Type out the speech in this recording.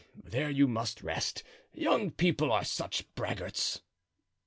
There you must rest; young people are such braggarts."